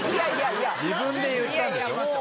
自分で言ったんでしょ？